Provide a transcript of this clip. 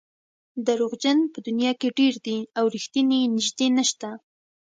دروغجن په دنیا کې ډېر دي او رښتیني نژدې نشته.